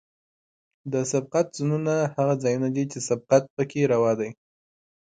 د سبقت زونونه هغه ځایونه دي چې سبقت پکې روا دی